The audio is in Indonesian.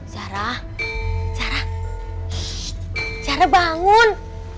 sarah sarah sarah bangun